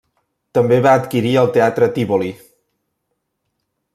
També va adquirir el Teatre Tívoli.